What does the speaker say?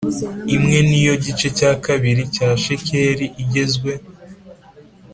imwe Ni yo gice cya kabiri cya shekeli igezwe